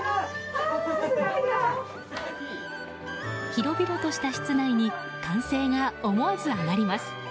広々とした室内に歓声が思わず上がります。